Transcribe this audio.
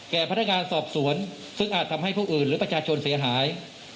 พนักงานสอบสวนซึ่งอาจทำให้ผู้อื่นหรือประชาชนเสียหาย